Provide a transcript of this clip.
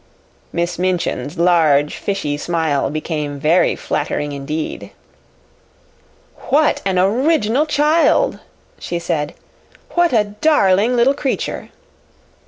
Miss Minchin's large, fishy smile became very flattering indeed. "What an original child!" she said. "What a darling little creature!"